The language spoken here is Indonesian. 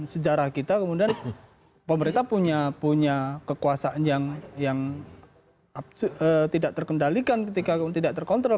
sejarah kita kemudian pemerintah punya kekuasaan yang tidak terkendalikan ketika tidak terkontrol